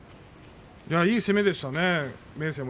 いい攻めでしたね、明生も。